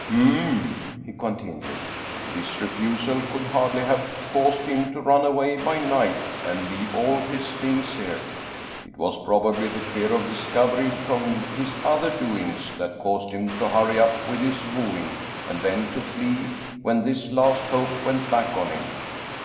" Hm !" he con tinued, " this refusal could hardly have caused him to run away by night and leave all his things here. It was prob ably the fear of discovery from his other doings that caused him to hurry up with his wooing and then to flee when this last hope went back on him.